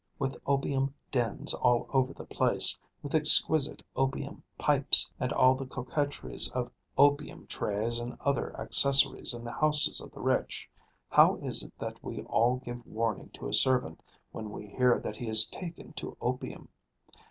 With opium dens all over the place, with exquisite opium pipes and all the coquetries of opium trays and other accessories in the houses of the rich, how is it that we all give warning to a servant when we hear that he has taken to opium?